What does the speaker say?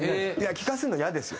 聴かせるのイヤですよ。